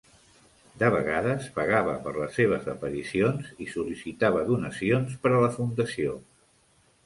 De vegades pagava per les seves aparicions i sol·licitava donacions per a la fundació.